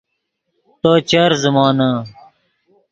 تو چر زخمے